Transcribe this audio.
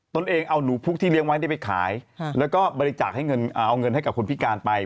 ตัวเองเอาหนูพุกที่เลี้ยงไว้ไปขายแล้วก็บริจาคให้เงินเอาเงินให้กับคนพิการไป